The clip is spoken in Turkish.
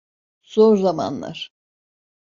Zor zamanlar.